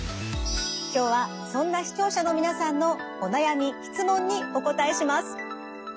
今日はそんな視聴者の皆さんのお悩み質問にお答えします。